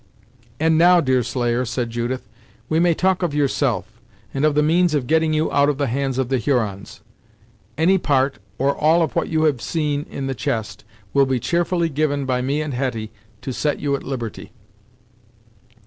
"And now, Deerslayer," said Judith, "we may talk of yourself, and of the means of getting you out of the hands of the Hurons. Any part, or all of what you have seen in the chest, will be cheerfully given by me and Hetty to set you at liberty."